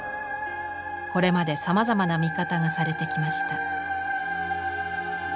これまでさまざまな見方がされてきました。